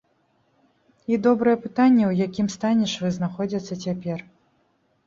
І добрае пытанне, у якім стане швы знаходзяцца цяпер.